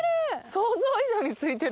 想像以上についてる。